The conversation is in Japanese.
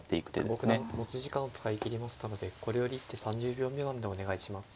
久保九段持ち時間を使い切りましたのでこれより一手３０秒未満でお願いします。